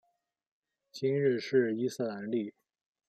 今日是伊斯兰历。